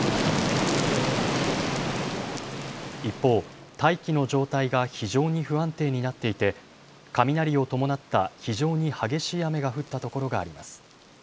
一方、大気の状態が非常に不安定になっていて雷を伴った非常に激しい雨が降ったところがあります。